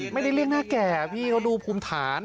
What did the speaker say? ไม่ได้เรียกหน้าแก่พี่เขาดูภูมิฐาน